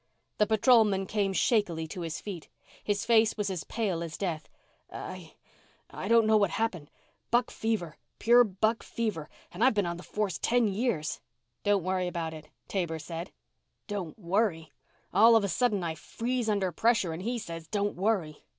The patrolman came shakily to his feet. His face was as pale as death. "I I don't know what happened. Buck fever. Pure buck fever, and I've been on the force for ten years." "Don't worry about it," Taber said. "Don't worry. All of a sudden I freeze under pressure and he says, 'Don't worry.'"